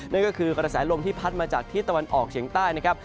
นั่นก็คือกระแสลมที่พัดมาจากที่ตะวันออกเฉียงใต้นะครับ